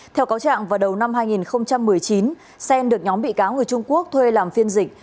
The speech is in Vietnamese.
theo cáo trạng vào đầu năm hai nghìn một mươi chín sen được nhóm bị cáo người trung quốc thuê làm phiên dịch